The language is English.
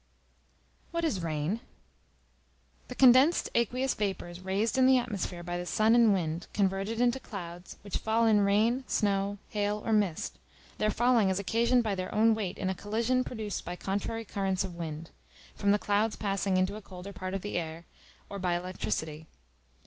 What is Rain? The condensed aqueous vapors raised in the atmosphere by the sun and wind, converted into clouds, which fall in rain, snow, hail, or mist: their falling is occasioned by their own weight in a collision produced by contrary currents of wind, from the clouds passing into a colder part of the air, or by electricity.